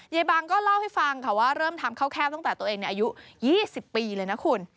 ยายบังก็เล่าให้ฟังค่ะว่าเริ่มทำข้าวแคบตั้งแต่ตัวเองอายุ๒๐ปีเลยนะคุณ